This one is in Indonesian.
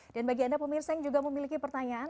dan bagi anda pemirsa yang juga memiliki pertanyaan